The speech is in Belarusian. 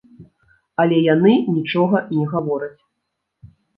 Але яны нічога не гавораць.